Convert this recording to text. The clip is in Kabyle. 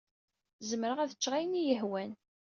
Zemreɣ ad ččeɣ ayen iyi-yehwan.